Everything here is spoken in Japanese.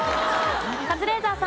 カズレーザーさん。